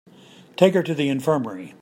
Take her to the infirmary.